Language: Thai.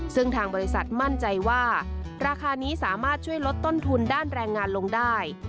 ซึ่งทางบริษัทมั่นใจว่าราคานี้สามารถช่วยลดต้นทุนด้านแรงงานลงได้